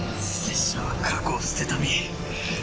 拙者は過去を捨てた身。